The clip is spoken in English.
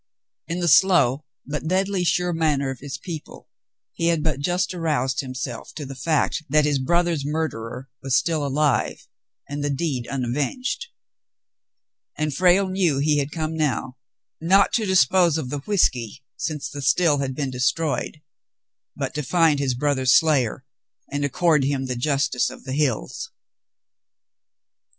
In the slow but deadly sure manner of his people, he had but just aroused himself to the fact that his brother's murderer was still alive and the deed unavenged;^ and Frale knew he had come now, not to dispose of the whiskey, since the still had been destroyed, but to find his brother's slayer and accord him the justice of the hills.